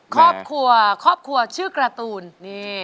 ครอบครัวครอบครัวชื่อการ์ตูนนี่